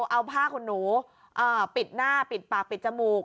เอาผ้าขนหนูปิดหน้าปิดปากปิดจมูก